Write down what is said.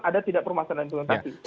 ada tidak permasalahan dalam informasi